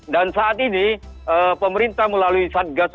dan saat ini pemerintah melalui satgas